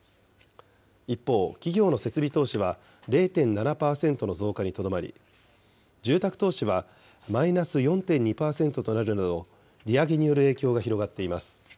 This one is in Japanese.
一方、企業の設備投資は、０．７％の増加にとどまり、住宅投資はマイナス４．２％となるなど、利上げによる影響が広がっています。